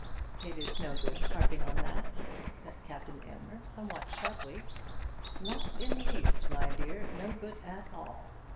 "It is no good harping on that," said Captain Aylmer, somewhat sharply. "Not in the least, my dear; no good at all.